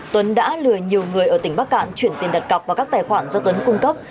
tuấn đã lừa nhiều người ở tỉnh bắc cạn chuyển tiền đặt cọc vào các tài khoản do tuấn cung cấp